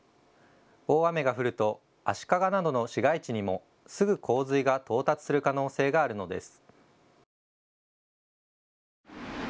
大雨が降ると足利などの市街地にも、すぐ洪水が到達する可能性があるのです。